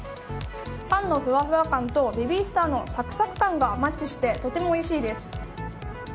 パンのふわふわ感とベビースターのサクサク感がマッチして、とてもおいしいです。